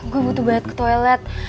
gue butuh banget ke toilet